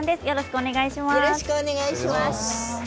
よろしくお願いします。